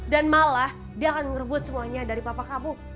dan malah dia akan ngerebut semuanya dari papa kamu